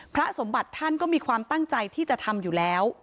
พระสมบัติท่านก็มีความตั้งใจที่จะทำอยู่แล้ว